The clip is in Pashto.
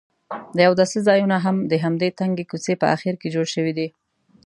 د اوداسه ځایونه هم د همدې تنګې کوڅې په اخر کې جوړ شوي دي.